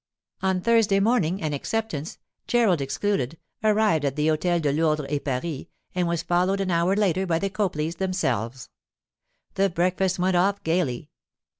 On Thursday morning an acceptance—Gerald excluded—arrived at the Hôtel de Lourdres et Paris, and was followed an hour later by the Copleys themselves. The breakfast went off gaily.